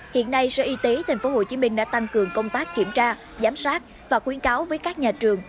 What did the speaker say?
hiện nay sở y tế tp hcm đã tăng cường công tác kiểm tra giám sát và khuyến cáo với các nhà trường